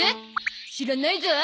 知らないゾ。